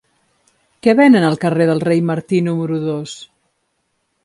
Què venen al carrer del Rei Martí número dos?